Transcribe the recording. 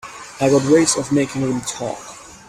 I got ways of making them talk.